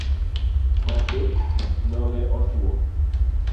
Nyathi dhoge otwo